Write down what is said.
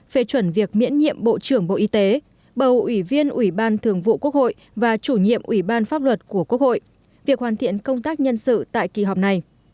phê chuẩn việc miễn nhiệm bộ trưởng bộ y tế bầu ủy viên ủy ban thường vụ quốc hội và chủ nhiệm ủy ban pháp luật của quốc hội việc hoàn thiện công tác nhân sự tại kỳ họp này